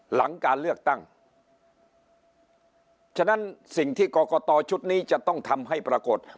หลังการเลือกตั้งฉะนั้นสิ่งที่กรกตชุดนี้จะต้องทำให้ปรากฏ